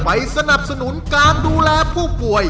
สนับสนุนการดูแลผู้ป่วย